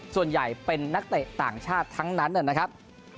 ส่วนใหญ่เป็นนักเตะต่างชาติทั้งนั้นนะครับ